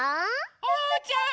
おうちゃん。